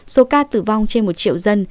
số ca tử vong trên một triệu dân